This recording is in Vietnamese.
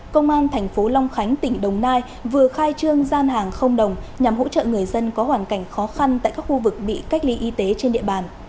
công an thành phố long khánh tỉnh đồng nai vừa khai trương gian hàng không đồng nhằm hỗ trợ người dân có hoàn cảnh khó khăn tại các khu vực bị cách ly y tế trên địa bàn